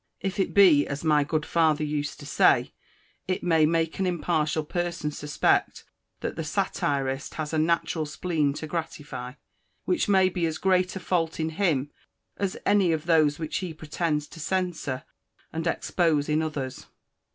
If it be, as my good father used to say, it may make an impartial person suspect that the satirist has a natural spleen to gratify; which may be as great a fault in him, as any of those which he pretends to censure and expose in others.